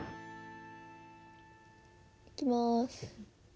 いきます。